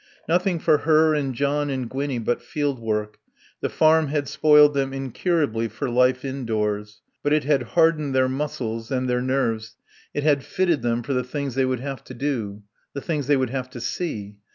Nothing for her and John and Gwinnie but field work; the farm had spoiled them incurably for life indoors. But it had hardened their muscles and their nerves, it had fitted them for the things they would have to do. The things they would have to see.